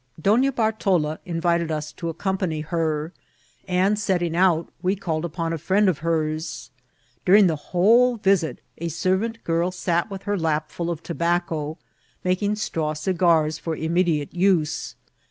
Donna Bartola invited us to accompany her, and, setting out, we called upon a friend of hers ; during the whole visit, a servant girl sat with her lap full of to bacco, making straw cigars for immediate use.